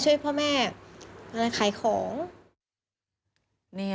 ช่วยพ่อแม่